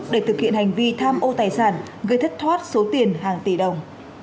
để thực hiện hành vi tham ô tài sản gây thất thoát số tiền hàng tỷ đồng